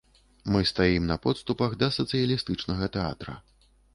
Мы стаім на подступах да сацыялістычнага тэатра.